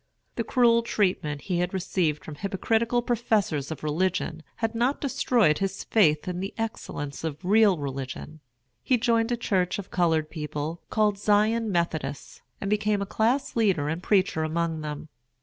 The cruel treatment he had received from hypocritical professors of religion had not destroyed his faith in the excellence of real religion. He joined a church of colored people, called Zion Methodists, and became a class leader and preacher among them.